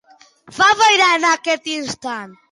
Fa boira en aquest instant?